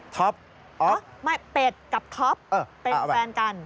ไม่เป็ดกับท็อปเป็นแฟนกัน